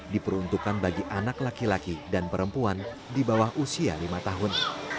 diperuntukkan bagi anak laki laki dan perempuan di bawah usia lima tahun